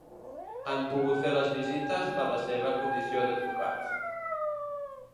Han pogut fer les visites per la seva condició d’advocats.